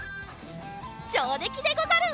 じょうできでござる！